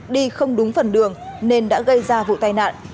đi không đúng phần đường nên đã gây ra vụ tai nạn